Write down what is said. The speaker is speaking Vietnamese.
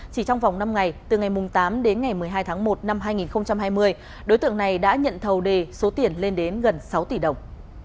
chỉ trong vòng năm ngày từ ngày tám đến ngày một mươi hai tháng một năm hai nghìn hai mươi đối tượng này đã nhận thầu đề số tiền lên đến gần sáu tỷ đồng